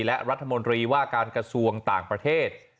และรัฐมนตรีว่าการกระทรวงต่างประเทศ